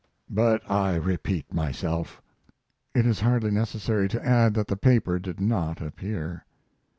But I repeat myself." It is hardly necessary to add that the paper did not appear.